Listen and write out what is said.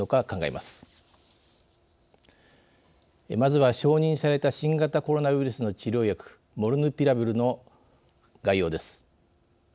まずは、承認された新型コロナウイルスの治療薬モルヌピラビルの概要です。